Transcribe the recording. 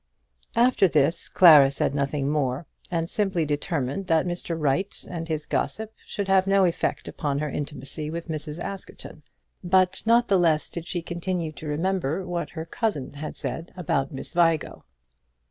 After this Clara said nothing more, and simply determined that Mr. Wright and his gossip should have no effect upon her intimacy with Mrs. Askerton. But not the less did she continue to remember what her cousin had said about Miss Vigo.